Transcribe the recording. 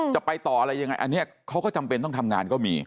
จะไปต่ออะไรยังไงเขาก็จำเป็นอย่างนี้ได้ทำงานก็มี